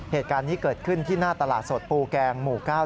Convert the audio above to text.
เหตุการณ์นี้เกิดขึ้นที่หน้าตลาดสดปูแกงหมู่๙